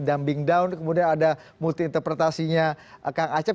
dumbing down kemudian ada multi interpretasinya kang acep